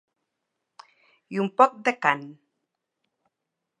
I un poc de cant.